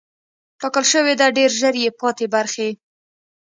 ټاکل شوې ده ډېر ژر یې پاتې برخې